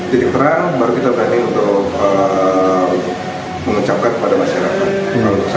titik terang baru kita tadi untuk mengucapkan kepada masyarakat